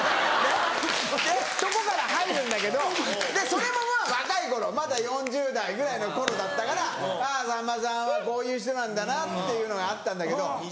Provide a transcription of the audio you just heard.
それもまぁ若い頃まだ４０代ぐらいの頃だったからさんまさんはこういう人なんだなっていうのがあったんだけど。